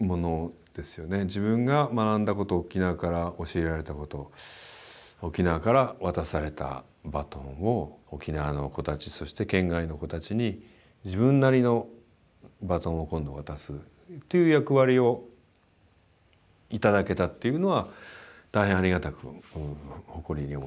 自分が学んだこと沖縄から教えられたこと沖縄から渡されたバトンを沖縄の子たちそして県外の子たちに自分なりのバトンを今度渡すっていう役割を頂けたっていうのは大変ありがたく誇りに思いますね。